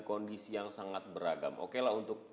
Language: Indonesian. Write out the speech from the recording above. kondisi yang sangat beragam oke lah untuk